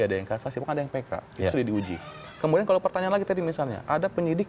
ada yang kasus ada yang pkr jadi uji kemudian kalau pertanyaan lagi tadi misalnya ada penyidik